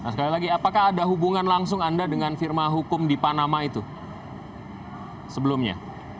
sekali lagi apakah ada hubungan langsung anda dengan firma hukum di panama itu sebelumnya